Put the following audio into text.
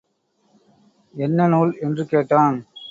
என்ன நூல்? என்று கேட்டான்.